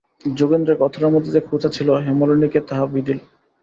যোগেন্দ্রের কথাটার মধ্যে যে খোঁচা ছিল, হেমনলিনীকে তাহা বিঁধিল।